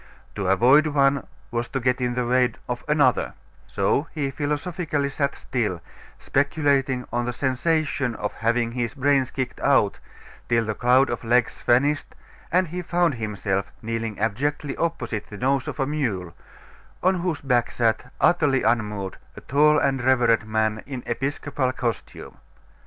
To avoid one was to get in the way of another; so he philosophically sat still, speculating on the sensation of having his brains kicked out, till the cloud of legs vanished, and he found himself kneeling abjectly opposite the nose of a mule, on whose back sat, utterly unmoved, a tall and reverend man, in episcopal costume.